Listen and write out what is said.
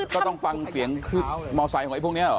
ก็ต้องฟังเสียงมอไซค์ของไอ้พวกนี้เหรอ